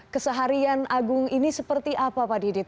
keseharian agung ini seperti apa pak didit